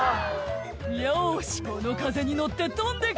「よしこの風に乗って飛んでけ」